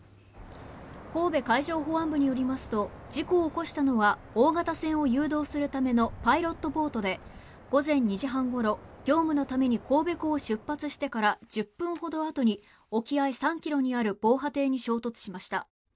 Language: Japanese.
神戸海上保安部によりますと事故を起こしたのは大型船を誘導するためのパイロットボートで午前２時半ごろ業務のために神戸港を出発してから１０分ほど後に沖合３ｋｍにある防波堤に衝突しました。